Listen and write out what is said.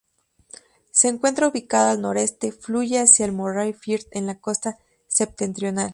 Se encuentra ubicado al noreste, fluye hacia el Moray Firth en la costa septentrional.